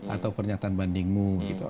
atau pernyataan bandingmu